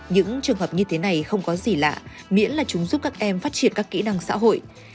những trường hợp như thế này không có gì lạ miễn là chúng giúp các em phát triển các kỹ năng xã hội